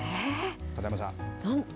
片山さん。